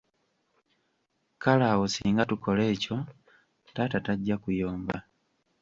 Kale awo singa tukola ekyo, taata tajja kuyomba.